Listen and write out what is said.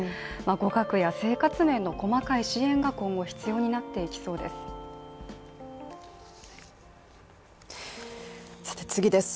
語学や生活面の細かい支援が今後必要になっていきそうです。